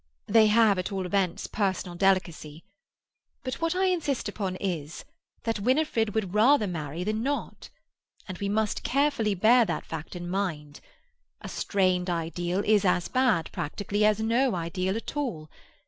They have at all events personal delicacy. But what I insist upon is, that Winifred would rather marry than not. And we must carefully bear that fact in mind. A strained ideal is as bad, practically, as no ideal at all.